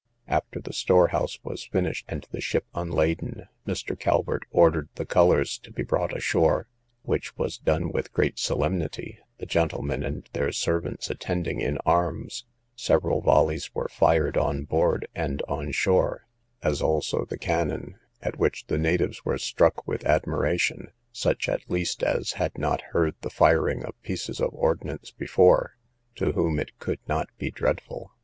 After the storehouse was finished and the ship unladen, Mr. Calvert ordered the colours to be brought ashore, which was done with great solemnity, the gentlemen and their servants attending in arms: several volleys were fired on board and on shore, as also the cannon, at which the natives were struck with admiration, such at least as had not heard the firing of pieces of ordnance before, to whom it could not be dreadful.